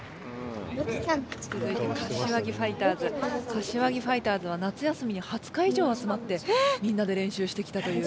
柏木ファイターズは夏休みに２０日以上集まってみんなで練習してきたという。